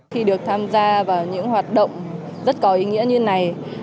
khi được tham gia vào những hoạt động rất có ý nghĩa như này